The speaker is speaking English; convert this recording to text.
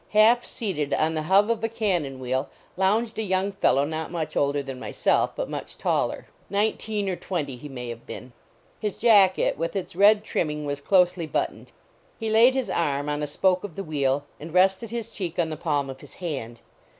Half seated on the hub of a cannon wheel lounged a young fellow not much older than myself, but much taller. Nineteen or twenty he may have been. His jacket, with its red trimming, was closely buttoned. He laid his arm on a spoke of the wheel, and rested his cheek on the palm of his hand.